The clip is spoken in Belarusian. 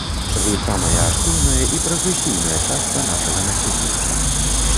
Вы самая актыўная і прагрэсіўная частка нашага насельніцтва.